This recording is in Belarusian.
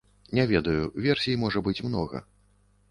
Не ведаю, версій можа быць многа.